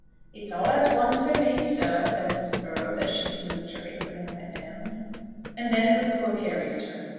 "It's all as one to me, sir," said Mrs. Burrows, as she smoothed her apron and went down. And then it was poor Carry's turn.